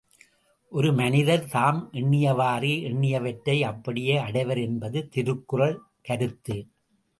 ஒரு மனிதர் தாம் எண்ணியவாறே எண்ணியவற்றை அப்படியே அடைவர் என்பது திருக்குறள் கருத்து.